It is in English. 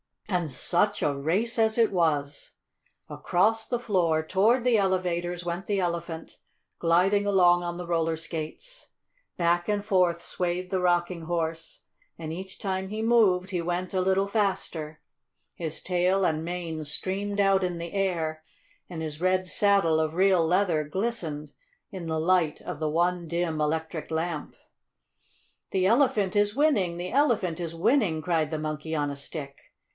And such a race as it was! Across the floor, toward the elevators, went the Elephant, gliding along on the roller skates. Back and forth swayed the Rocking Horse, and each time he moved he went a little faster. His tail and mane streamed out in the air and his red saddle of real leather glistened in the light of the one dim electric lamp. "The Elephant is winning! The Elephant is winning!" cried the Monkey on a Stick.